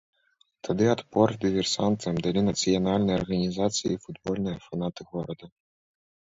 Тады адпор дыверсантам далі нацыянальныя арганізацыі і футбольныя фанаты горада.